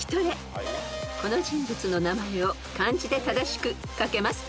［この人物の名前を漢字で正しく書けますか？］